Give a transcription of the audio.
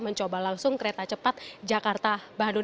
mencoba langsung kereta cepat jakarta bandung